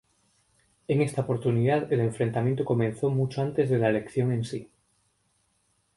En esta oportunidad el enfrentamiento comenzó mucho antes de la elección en sí.